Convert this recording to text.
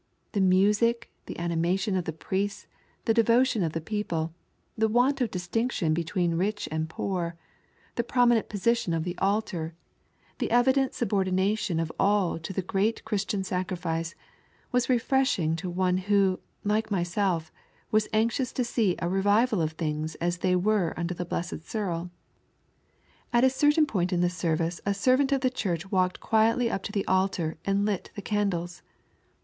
The music, the animation of the priests, the devotion of the people, the want of distinction between rich and poor, the prominent position of the altar, the evident subordi nation of all to the great Chiiatian Sacrifice, was refreshing to one who, like myself, was anxious to see a revival of things as they were under the blessed Cyril. At a certain point of the service a servant of the Church walked quietly up to the altar and lit the candles.